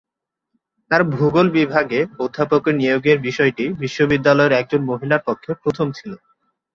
তার ভূগোল বিভাগে অধ্যাপকের নিয়োগের বিষয়টি বিশ্ববিদ্যালয়ের একজন মহিলার পক্ষে প্রথম ছিল।